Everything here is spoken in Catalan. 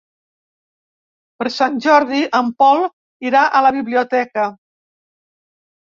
Per Sant Jordi en Pol irà a la biblioteca.